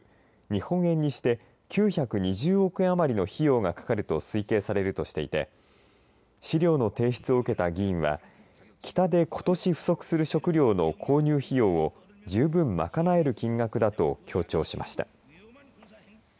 日本円にして９２０億円余りの費用がかかると推計されるとしていて資料の提出を受けた議員は北で、ことし不足する食糧の購入費用を十分賄える金額だと強調しました。